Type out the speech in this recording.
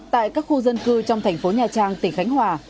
tại các khu dân cư trong thành phố nha trang tỉnh khánh hòa